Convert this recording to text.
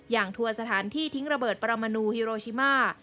ทัวร์สถานที่ทิ้งระเบิดปรมนูฮิโรชิมา